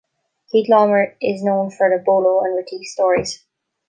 Keith Laumer is known for the Bolo and Retief stories.